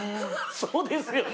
そうですよね？